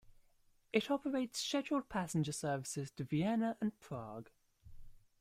It operates scheduled passenger services to Vienna and Prague.